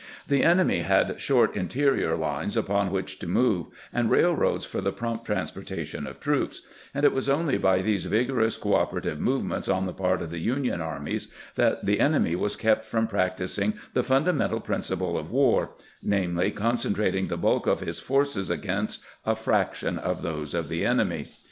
The enemy had short interior lines upon which to move, and railroads for the prompt transportation of troops ; and it was only by these vigorous cooperative move ments on the part of the Union armies that the enemy was kept from practising the fundamental principle of war — namely, concentrating the bulk of his forces against a fraction of those of the enemy.